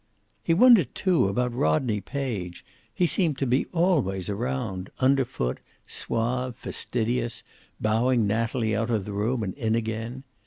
He wondered, too, about Rodney Page. He seemed to be always around, underfoot, suave, fastidious, bowing Natalie out of the room and in again.